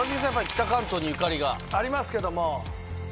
北関東にゆかりが？ありますけども。